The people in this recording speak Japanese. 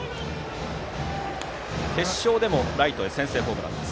決勝でもライトへ先制ホームランです。